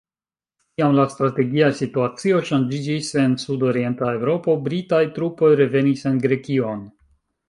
Kiam la strategia situacio ŝanĝiĝis en sudorienta Eŭropo, Britaj trupoj revenis en Grekion.